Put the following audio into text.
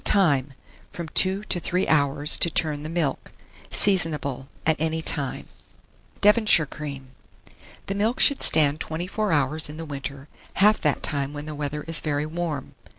Time. From 2 to 3 hours to turn the milk. Seasonable at any time. DEVONSHIRE CREAM. 1630. The milk should stand 24 hours in the winter, half that time when the weather is very warm.